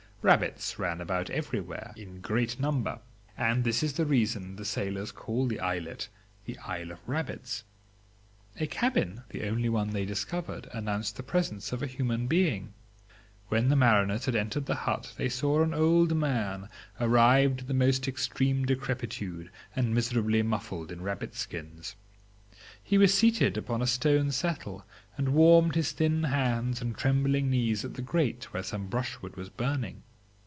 Rabbits ran about everywhere in great numbers; and this is the reason the sailors call the islet the Isle of Rabbits. A cabin, the only one they discovered, announced the presence of a human being. When the mariners had entered the hut they saw an old man, arrived at the most extreme decrepitude and miserably muffled in rabbit skins. He was seated upon a stone settle, and warmed his thin hands and trembling knees at the grate where some brushwood was burning.